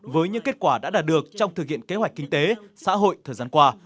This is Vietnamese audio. với những kết quả đã đạt được trong thực hiện kế hoạch kinh tế xã hội thời gian qua